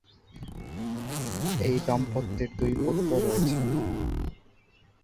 এই দম্পতির দুই পুত্র রয়েছে।